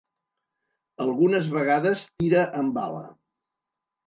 Algunes vegades tira amb bala.